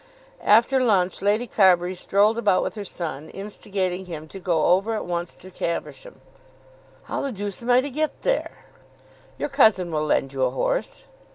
After lunch Lady Carbury strolled about with her son, instigating him to go over at once to Caversham. "How the deuce am I to get there?" "Your cousin will lend you a horse."